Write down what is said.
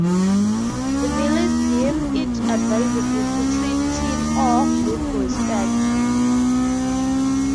The Malays deem it advisable to treat tin ore with respect.